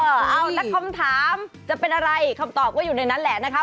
เอาแล้วคำถามจะเป็นอะไรคำตอบก็อยู่ในนั้นแหละนะคะ